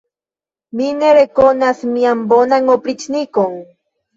Mi ne rekonas mian bonan opriĉnikon!